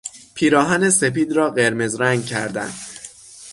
پیراهن سپید را قرمز رنگ کردن